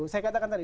saya katakan tadi